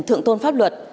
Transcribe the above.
thượng tôn pháp luật